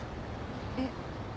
えっ？